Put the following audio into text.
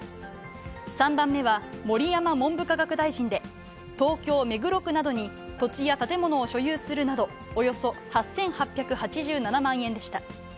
３番目は盛山文部科学大臣で、東京・目黒区などに土地や建物を所有するなど、およそ８８８７万円でした。